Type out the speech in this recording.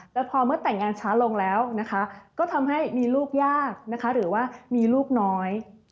แต่พอเมื่อแต่งงานช้าลงแล้วนะคะก็ทำให้มีลูกยากนะคะหรือว่ามีลูกน้อย